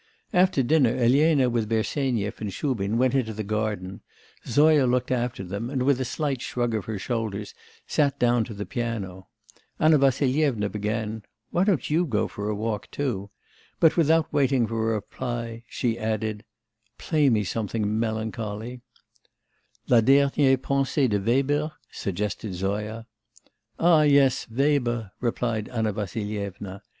After dinner, Elena with Bersenyev and Shubin went into the garden; Zoya looked after them, and, with a slight shrug of her shoulders, sat down to the piano. Anna Vassilyevna began: 'Why don't you go for a walk, too?' but, without waiting for a reply, she added: 'Play me something melancholy.' 'La dernière pensée de Weber?' suggested Zoya. 'Ah, yes, Weber,' replied Anna Vassilyevna.